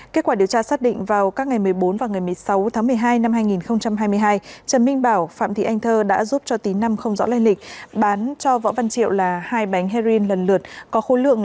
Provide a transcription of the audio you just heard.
kết quả điều tra xác định vào các ngày một mươi bốn và ngày một mươi sáu tháng một mươi hai năm hai nghìn hai mươi hai trần minh bảo phạm thị anh thơ đã giúp cho tí năm không rõ lây lịch bán cho võ văn triệu là hai bánh heroin lần lượt có khối lượng